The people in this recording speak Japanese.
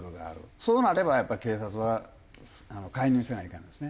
そうなればやっぱり警察は介入せないかんですね。